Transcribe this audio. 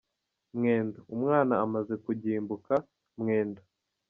Mwendo. Umwana amaze kugimbuka, Mwendo